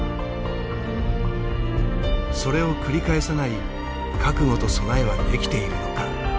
それを繰り返さない覚悟と備えはできているのか。